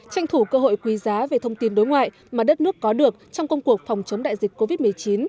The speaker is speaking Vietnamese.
tranh thủ cơ hội quý giá về thông tin đối ngoại mà đất nước có được trong công cuộc phòng chống đại dịch covid một mươi chín